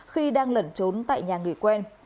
khi đang lẩn trốn tại nhà người quen